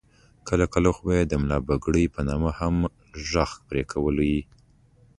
کله کله خو به یې د ملا پګړۍ په نامه غږ هم پرې کولو.